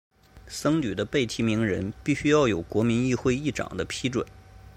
僧侣的被提名人必须要有国民议会议长的批准。